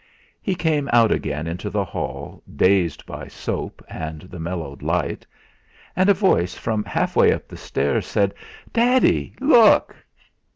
He came out again into the hall dazed by soap and the mellowed light, and a voice from half way up the stairs said: "Daddy! Look!"